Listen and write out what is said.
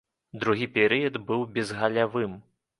Другі перыяд быў безгалявым.